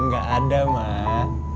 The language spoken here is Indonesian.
gak ada mak